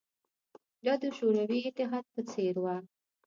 دا د شوروي اتحاد په څېر وه